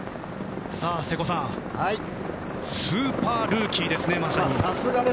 瀬古さんスーパールーキーですねまさに。